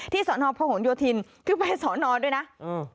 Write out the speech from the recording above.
ที่สอนอพระหงโยธินที่ไปสอนอด้วยนะอืม